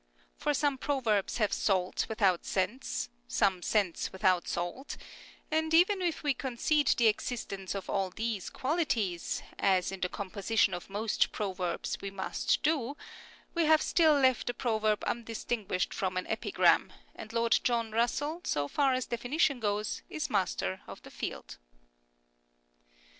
For some proverbs have salt without sense, some sense without salt ; and even if we concede the existence of all these qualities, as in the composition of most proverbs we must do, we have still left a proverb undis tinguished from an epigram, and Lord John Russell, so far as definition goes, is master of the field.